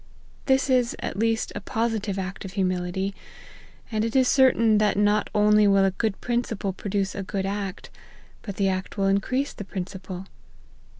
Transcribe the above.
This is at least a positive act of humility, and it is certain that not only will a good principle produce a good act, but the act will increase the principle.